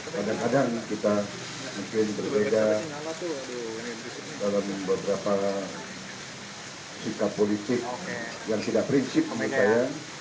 kadang kadang kita mungkin berbeda dalam beberapa sikap politik yang tidak prinsip menurut saya